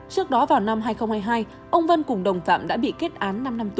trước đó vào năm hai nghìn hai mươi hai ông vân cùng đồng phạm đã bị kết án năm trăm năm mươi bốn